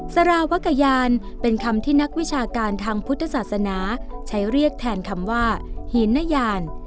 สารวักยานเป็นคำที่นักวิชาการทางพุทธศาสนาใช้เรียกแทนคำว่าหินนยาน